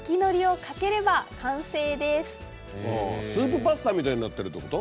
スープパスタみたいになってるってこと？